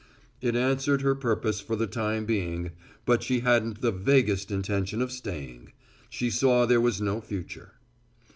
It answered her purpose for the time being, but she hadn't the vaguest intention of staying. She saw there was no future.